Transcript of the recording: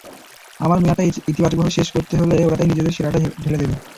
আমার মেয়াদটা ইতিবাচকভাবে শেষ করতে ওরা তাই নিজেদের সেরাটা ঢেলে দেবে।